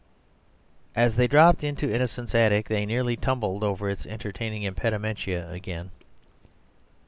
As they dropped into Innocent's attic they nearly tumbled over its entertaining impedimenta again.